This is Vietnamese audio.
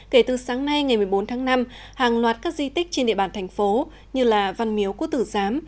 kể từ sáng nay ngày một mươi bốn tháng năm hàng loạt các di tích trên địa bàn thành phố như là văn miếu cú tử giám